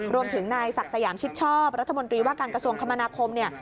รวมถึงนายศักดิ์สยามชิดชอบรัฐมนตรีว่าการกระทรวงคมนาคมเนี่ย